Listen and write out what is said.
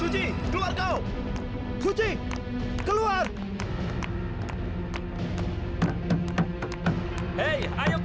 jaga dirimu baik baik